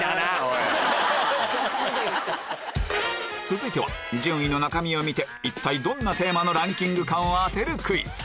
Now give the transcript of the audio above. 続いては順位の中身を見て一体どんなテーマのランキングかを当てるクイズ